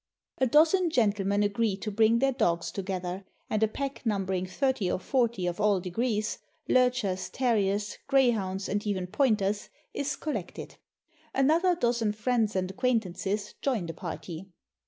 A dozen gentlemen agree to bring their dogs together, and a pack numbering thirty or forty of all degrees — lurchers, terriers, greyhounds, and even pointers — is collected. Another dozen friends and acquaintances join the party.